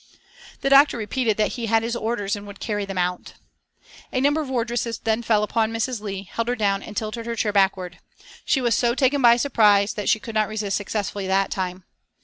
The doctor repeated that he had his orders and would carry them out. A number of wardresses then fell upon Mrs. Leigh, held her down and tilted her chair backward. She was so taken by surprise that she could not resist successfully that time.